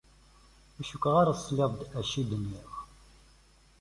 Ur cukkeɣ ara tesliḍ-d acu i d-nniɣ.